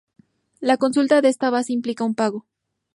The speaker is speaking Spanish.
La consulta de esta base implica un pago.